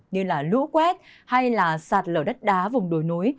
như lũ quét hay sạt lở đất đá vùng đồi núi